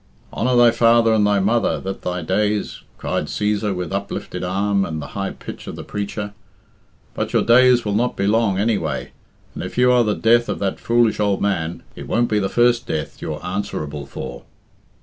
"Honour thy father and thy mother, that thy days " cried Cæsar, with uplifted arm and the high pitch of the preacher. "But your days will not be long, anyway, and, if you are the death of that foolish ould man, it won't be the first death you're answerable for."